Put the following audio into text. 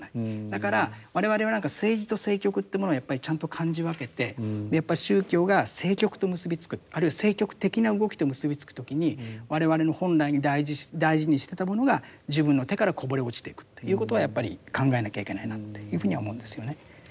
だから我々は何か政治と政局というものをやっぱりちゃんと感じ分けてやっぱり宗教が政局と結び付くあるいは政局的な動きと結び付く時に我々の本来大事にしてたものが自分の手からこぼれ落ちていくっていうことはやっぱり考えなきゃいけないなというふうには思うんですよね。